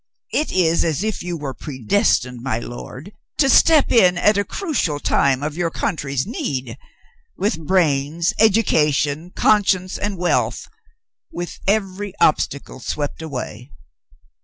"It is as if you were predestined, my lord, to step in at a critical time of your country's need — with brains, education, conscience, and wealth — with every obstacle swept away."